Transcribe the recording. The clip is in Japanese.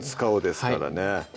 ですからね